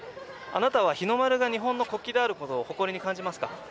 あなたは日の丸が日本の国旗であることを誇りに感じますか？